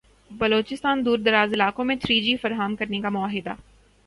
بلوچستان دوردراز علاقوں میں تھری جی فراہم کرنے کا معاہدہ